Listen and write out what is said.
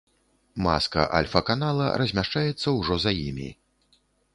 Маска альфа-канала размяшчаецца ўжо за імі.